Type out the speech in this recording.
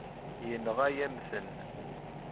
Yenɣa-yam-ten.